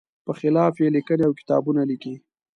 په خلاف یې لیکنې او کتابونه لیکي.